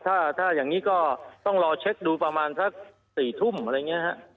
ถ้าอย่างนี้ก็ต้องรอเช็คดูประมาณสัก๔ทุ่มอะไรอย่างนี้ฮะ